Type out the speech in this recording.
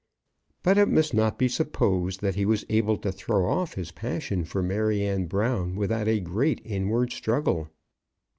But it must not be supposed that he was able to throw off his passion for Maryanne Brown without a great inward struggle.